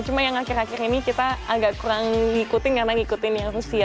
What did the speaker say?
karena akhir akhir ini kita agak kurang ngikutin karena ngikutin yang rusia